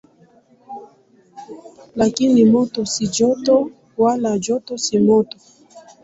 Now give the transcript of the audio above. Lakini moto si joto, wala joto si moto.